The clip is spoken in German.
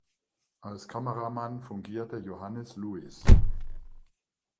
Als Kameramann fungierte Johannes Louis.